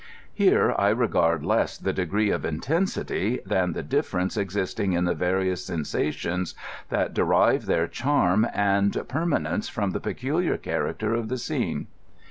Here I regard less the degree of intensity than the difierenee existing in the Vol I. B 26 COSMOS. various sensations that derive their charm and permanence from the peculiar character of the scene.